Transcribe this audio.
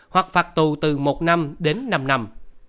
hoặc phạt tù từ một năm đến năm năm